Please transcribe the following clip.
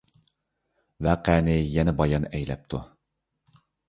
ۋەقەنى يەنە بايان ئەيلەپتۇ.